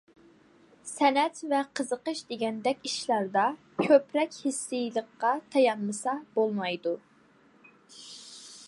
سەنئەت ۋە قىزىقىش دېگەندەك ئىشلاردا كۆپرەك ھېسسىيلىققا تايانمىسا بولمايدۇ.